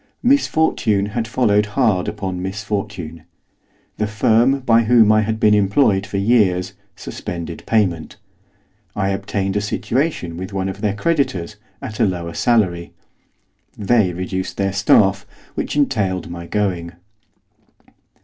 Misfortune had followed hard upon misfortune. The firm by whom I had been employed for years suspended payment. I obtained a situation with one of their creditors, at a lower salary. They reduced their staff, which entailed my going.